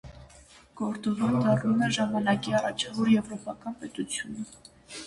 Կորդովան դառնում է ժամանակի առաջավոր եվրոպական պետությունը։